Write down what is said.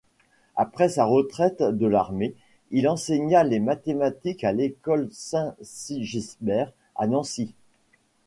Après sa retraite de l'armée, il enseigna les mathématiques à l'École Saint-Sigisbert à Nancy.